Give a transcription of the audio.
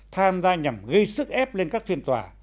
tham gia nhằm gây sức ép lên các phiên tòa